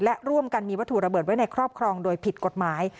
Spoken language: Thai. และร่วมกันมีวัตถุระเบิดไว้ในครอบครองโดยผิดกฎหมาย